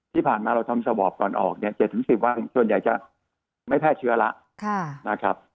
ที่ผ่านมาเราทำสวอบก่อนออก๗๑๐วันส่วนใหญ่จะไม่แพทย์เชื้อแล้ว